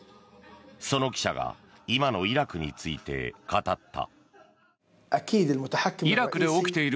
その記者が今のイラクについて語った。